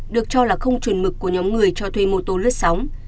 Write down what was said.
được cho là không chuẩn mực của nhóm người cho thuê mô tô lướt sóng